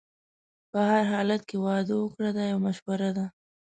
په هر حالت کې واده وکړه دا یو مشوره ده.